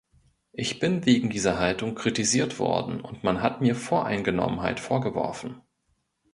Ich bin wegen dieser Haltung kritisiert worden und man hat mir Voreingenommenheit vorgeworfen.